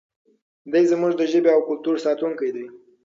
دی زموږ د ژبې او کلتور ساتونکی دی.